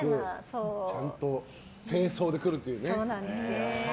格好良くちゃんと正装で来るというね。